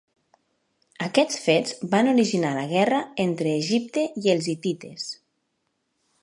Aquests fets van originar la guerra entre Egipte i els hitites.